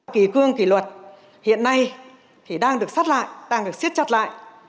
kỳ cương kỳ luật hiện nay thì đang được sắt lại đang được xiết chặt lại